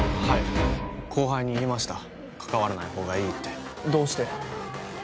はい後輩に言いました関わらないほうがいいってどうして？